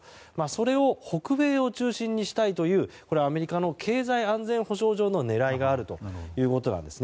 それを北米を中心にしたいというアメリカの経済安全保障上の狙いがあるということなんです。